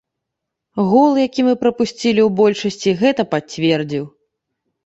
Гол, які мы прапусцілі ў большасці, гэта пацвердзіў.